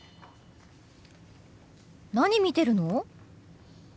何見てるの？